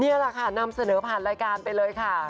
นี่แหละค่ะนำเสนอผ่านรายการไปเลยค่ะ